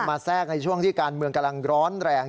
แทรกในช่วงที่การเมืองกำลังร้อนแรง